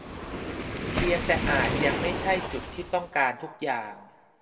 เพียงแต่อาจยังไม่ใช่จุดที่ต้องการทุกอย่าง